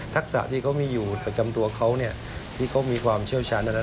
ทักษะที่เขามีอยู่ประจำตัวเขาที่เขามีความเชื่อชาญ